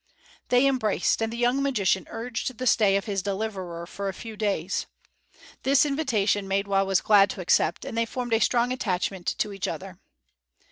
They embraced, and the young magician urged the stay of his deliverer for a few days. This invitation Maidwa was glad to accept and they formed a strong attachment to each other.